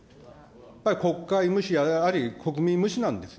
やっぱり国会無視であり、あるいは国民無視なんですよ。